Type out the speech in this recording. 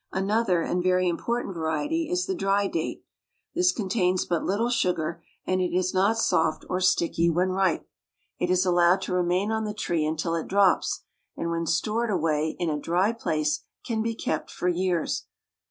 Another and very im portant variety is the dry date. This contains but little sugar, and it is not soft or sticky when ripe. It is allowed to remain on the tree until it drops, and when stored away in a dry place can be kept for years.